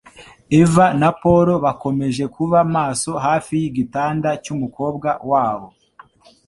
Eva na Paul bakomeje kuba maso hafi yigitanda cyumukobwa wabo